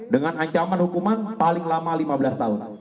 dengan ancaman hukuman paling lama lima belas tahun